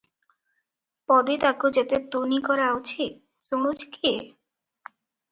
ପଦୀ ତାକୁ ଯେତେ ତୁନି କରାଉଛି, ଶୁଣୁଛି କିଏ?